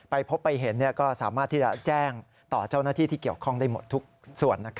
พบไปเห็นก็สามารถที่จะแจ้งต่อเจ้าหน้าที่ที่เกี่ยวข้องได้หมดทุกส่วน